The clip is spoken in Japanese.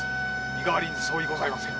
身代わりに相違ございません。